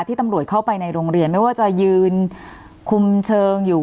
ตำรวจเข้าไปในโรงเรียนไม่ว่าจะยืนคุมเชิงอยู่